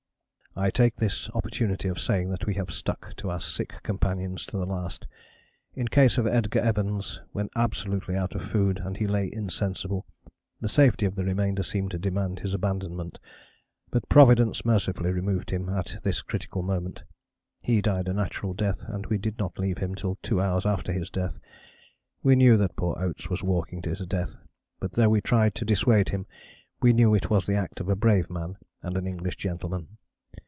"I take this opportunity of saying that we have stuck to our sick companions to the last. In case of Edgar Evans, when absolutely out of food and he lay insensible, the safety of the remainder seemed to demand his abandonment, but Providence mercifully removed him at this critical moment. He died a natural death, and we did not leave him till two hours after his death. We knew that poor Oates was walking to his death, but though we tried to dissuade him, we knew it was the act of a brave man and an English gentleman.